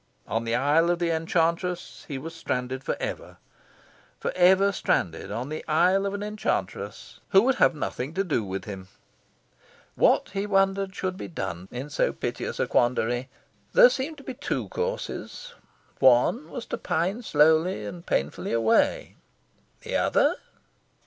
On the isle of the enchantress he was stranded for ever. For ever stranded on the isle of an enchantress who would have nothing to do with him! What, he wondered, should be done in so piteous a quandary? There seemed to be two courses. One was to pine slowly and painfully away. The other...